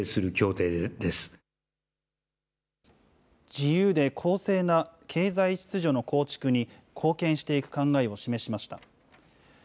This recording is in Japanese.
自由で公正な経済秩序の構築に貢献していく考えを示しました。